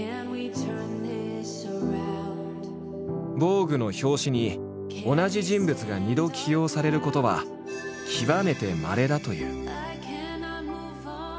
「ＶＯＧＵＥ」の表紙に同じ人物が２度起用されることは極めてまれだという。